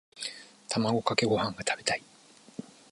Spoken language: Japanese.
卵かけご飯が食べたい。